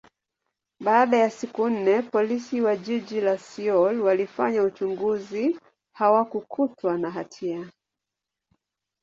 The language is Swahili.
baada ya siku nne, Polisi wa jiji la Seoul walifanya uchunguzi, hakukutwa na hatia.